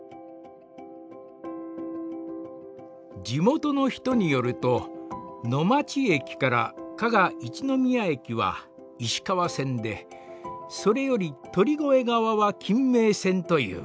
「地元の人によると『野町駅加賀一の宮駅』は石川線でそれより鳥越側は『金名線』と言う。